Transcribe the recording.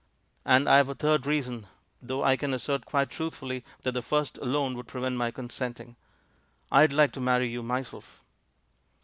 And I have a third reason, though I can assert quite truthfully that the first alone would prevent my consenting. I'd like to marry you myself."